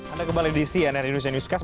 anda kembali di cnn indonesia newscast